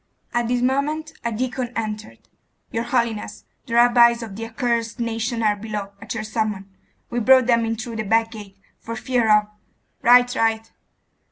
At this moment a deacon entered.... 'Your holiness, the rabbis of the accursed nation are below, at your summons. We brought them in through the back gate, for fear of ' 'Right, right.